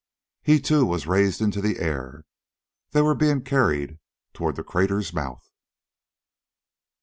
He, too, was raised into the air.... They were being carried toward the crater's mouth....